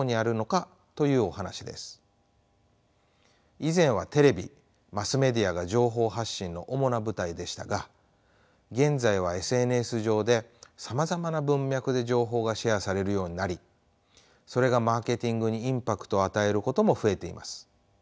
以前はテレビマスメディアが情報発信の主な舞台でしたが現在はＳＮＳ上でさまざまな文脈で情報がシェアされるようになりそれがマーケティングにインパクトを与えることも増えています。